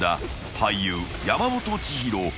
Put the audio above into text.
俳優山本千尋］